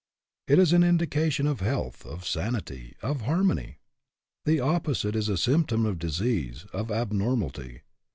It 'u an indication of health, of sanity, of harmony, The opposite is a symptom of disease, of ab* normality.